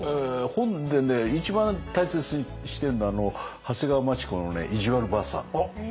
本でね一番大切にしてるのは長谷川町子のね「いじわるばあさん」。